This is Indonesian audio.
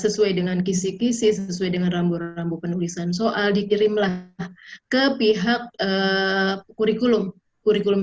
sesuai dengan kisi kisi sesuai dengan rambu rambu penulisan soal dikirimlah ke pihak kurikulum kurikulum